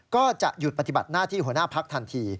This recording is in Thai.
ก็จะหยุดปฏิบัติหน้าที่หัวหน้าพักทันที